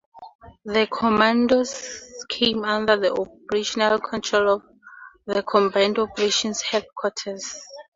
The Commandos came under the operational control of the Combined Operations Headquarters.